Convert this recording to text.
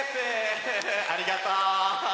ありがとう！